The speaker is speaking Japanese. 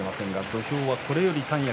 土俵はこれより三役。